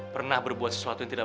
pernah berbuat sesuatu yang tidak